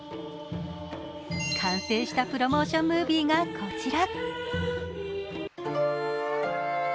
完成したプロモーションムービーがこちら。